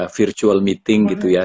virtual meeting gitu ya